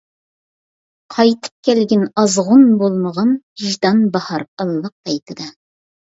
قايتىپ كەلگىن ئازغۇن بولمىغىن، ۋىجدان باھار ئىللىق پەيتىدە.